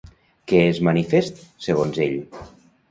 Què és manifest, segons ell?